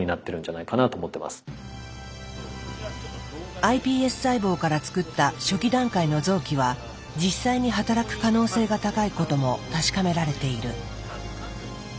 ｉＰＳ細胞から作った初期段階の臓器は実際に働く可能性が高いことも確かめられている。